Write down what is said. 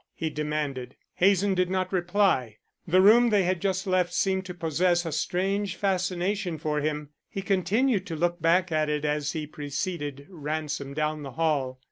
he demanded. Hazen did not reply. The room they had just left seemed to possess a strange fascination for him. He continued to look back at it as he preceded Ransom down the hall.